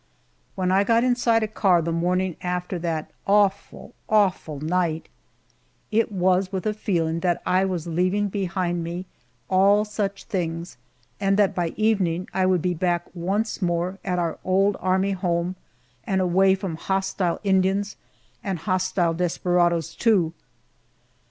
When I got inside a car the morning after that awful, awful night, it was with a feeling that I was leaving behind me all such things and that by evening I would be back once more at our old army home and away from hostile Indians, and hostile desperadoes too.